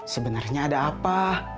sebenarnya ada apa